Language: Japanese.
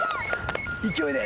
勢いで。